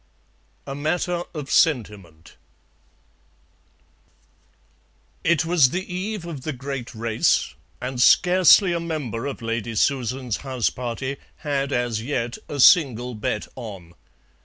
A MATTER OF SENTIMENT It was the eve of the great race, and scarcely a member of Lady Susan's house party had as yet a single bet on.